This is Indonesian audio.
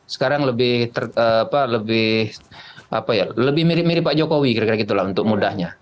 sekarang lebih mirip mirip pak jokowi kira kira gitu lah untuk mudahnya